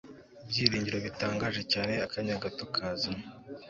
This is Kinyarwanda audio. ibyiringiro bitangaje cyane akanya gato kazana